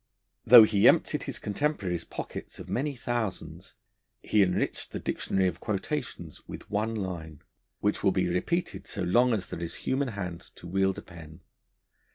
Though he emptied his contemporary's pockets of many thousands, he enriched the Dictionary of Quotations with one line, which will be repeated so long as there is human hand to wield a pen.